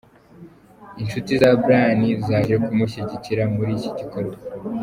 Inshuti za Brian zaje kumushyigikira muri iki gikorwa.